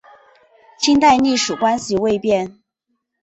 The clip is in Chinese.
清代隶属关系未变。